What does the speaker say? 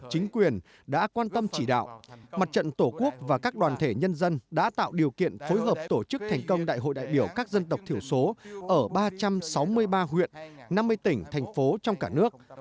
chính quyền đã quan tâm chỉ đạo mặt trận tổ quốc và các đoàn thể nhân dân đã tạo điều kiện phối hợp tổ chức thành công đại hội đại biểu các dân tộc thiểu số ở ba trăm sáu mươi ba huyện năm mươi tỉnh thành phố trong cả nước